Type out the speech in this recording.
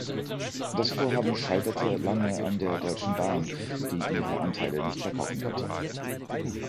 Das Vorhaben scheiterte lange an der Deutschen Bahn, die ihre Anteile nicht verkaufen wollte.